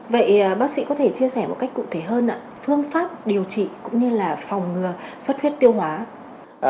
vậy bác sĩ có thể chia sẻ một cách cụ thể hơn ạ phương pháp điều trị cũng như là phòng ngừa xuất huyết tiêu hóa